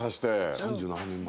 ３７年前。